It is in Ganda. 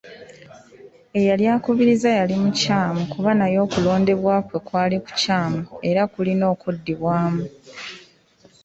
Eyali akukubiriza yali mukyamu kuba naye okulondebwa kwe kwali kukyamu era kulina okuddibwamu.